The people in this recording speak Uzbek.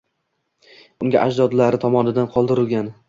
Unga, ajdodlari tomonidan qoldirilgan.